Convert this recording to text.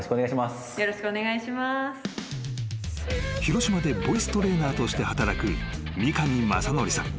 ［広島でボイストレーナーとして働く三上雅則さん］